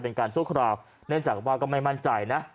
ชั่วคราวเนื่องจากว่าก็ไม่มั่นใจนะ